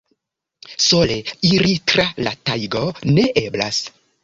Sole iri tra la tajgo ne eblas!